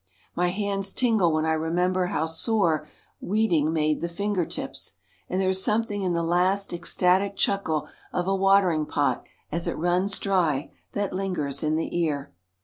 My hands tingle when I remember how sore weeding made the finger tips, and there is something in the last ecstatic chuckle of a watering pot as it runs dry that lingers in the ear.